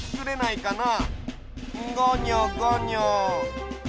ごにょごにょ。